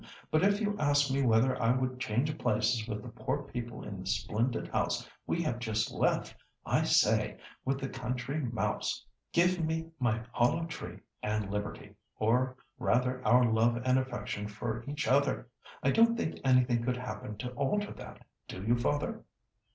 But if you ask me whether I would change places with the poor people in the splendid house we have just left, I say, with the country mouse, 'Give me my hollow tree and liberty,' or rather our love and affection for each other. I don't think anything could happen to alter that; do you, father?"